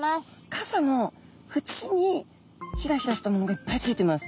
傘のふちにひらひらしたものがいっぱいついてます。